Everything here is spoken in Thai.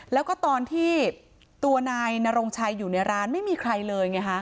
แล้วก็ตอนที่ตัวนายนรงชัยอยู่ในร้านไม่มีใครเลยไงฮะ